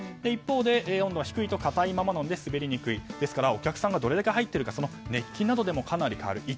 一方で温度が低いと硬いままなので滑りにくい、ですからお客さんがどれくらい入っているかどうかの熱気でも変わる。